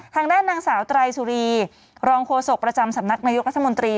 ทางด้านนางสาวไตรสุรีรองโฆษกประจำสำนักนายกรัฐมนตรี